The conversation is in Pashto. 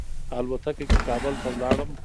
الوتکه کې کابل ته ولاړم.